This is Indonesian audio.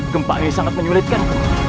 gempa ini sangat menyulitkan